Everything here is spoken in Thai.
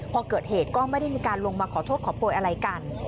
พอเกิดเหตุก็ไม่ได้มีการลงมาขอโทษขอโพยอะไรกัน